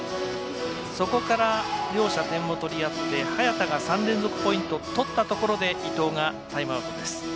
そこから両者、点も取り合って早田が３連続ポイントを取ったところで伊藤、タイムアウトです。